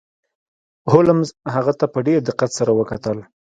هولمز هغه ته په ډیر دقت سره وکتل.